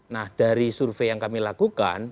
nah dari survei yang kami lakukan